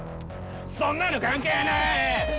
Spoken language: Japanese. そんなの関係ねぇ！